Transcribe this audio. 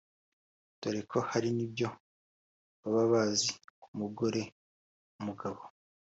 dore ko hari n’ibyo baba bazi ku mugore/umugabo